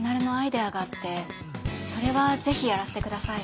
それはぜひやらせて下さい。